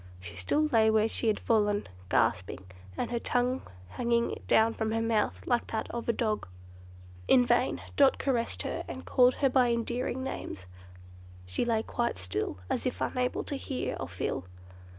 She still lay where she had fallen, gasping, and with her tongue hanging down from her mouth like that of a dog. In vain Dot caressed her, and called her by endearing names; she lay quite still, as if unable to hear or feel.